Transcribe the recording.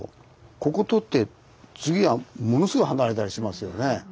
ここ撮って次はものすごい離れたりしますよね。